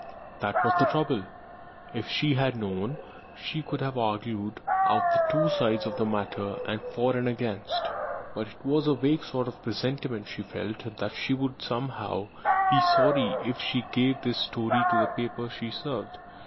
That was the trouble! If she had known, she could have argued out the two sides of the matter, for and against. But it was only a vague sort of presentiment she felt, that she would somehow be sorry if she gave this story to the paper she served.